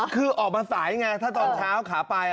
คือออกมาสายไงถ้าตอนเช้าขาไป